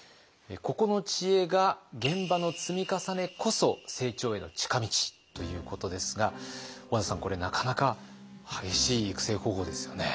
ここの知恵が「現場の積み重ねこそ成長への近道」ということですが小和田さんこれなかなか激しい育成方法ですよね。